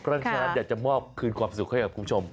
เพราะฉะนั้นอยากจะมอบคืนความสุขให้กับคุณผู้ชม